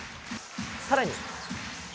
さらに。